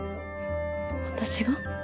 私が？